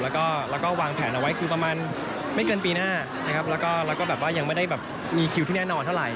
แล้วก็วางแผนเอาไว้คือประมาณไม่เกินปีหน้านะครับแล้วก็แบบว่ายังไม่ได้แบบมีคิวที่แน่นอนเท่าไห